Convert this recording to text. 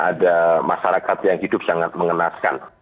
ada masyarakat yang hidup sangat mengenaskan